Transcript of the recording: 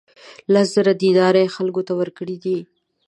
لس زره دینار یې خلکو ته ورکړي دي.